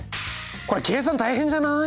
これ計算大変じゃない！？